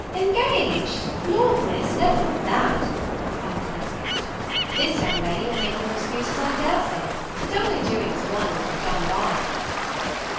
"Engaged! Lord, Miss, never mind that," cried the youngest; "this young lady will make your excuses I dare say; it's only doing as one would be done by, you know."